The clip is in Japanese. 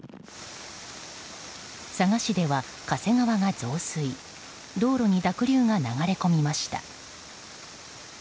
佐賀市では川が増水し道路に濁流が流れ込みました。